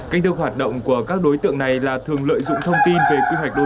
cách đưa hoạt động của các đối tượng này là thường lợi dụng thông tin về quy hoạch đô thị